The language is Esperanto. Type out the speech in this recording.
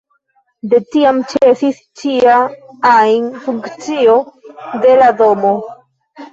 De tiam ĉesis ĉia ajn funkcio de la domo.